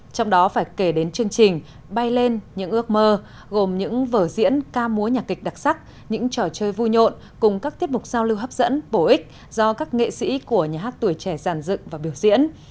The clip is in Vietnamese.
trong đó phải kể đến chương trình bay lên những ước mơ gồm những vở diễn ca múa nhạc kịch đặc sắc những trò chơi vui nhộn cùng các tiết mục giao lưu hấp dẫn bổ ích do các nghệ sĩ của nhà hát tuổi trẻ giàn dựng và biểu diễn